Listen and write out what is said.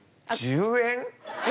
１０円？